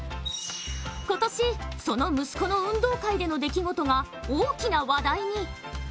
今年、その息子の運動会での出来事が大きな話題に。